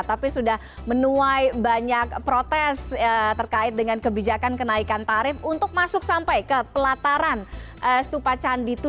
tapi sudah menuai banyak protes terkait dengan kebijakan kenaikan tarif untuk masuk sampai ke pelataran stupa candi tujuh